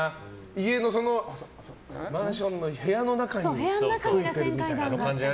家のマンションの部屋の中についてるみたいな。